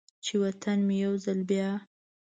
چې و طن مې یو ځل بیا،